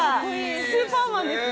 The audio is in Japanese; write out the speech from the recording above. スーパーマンです。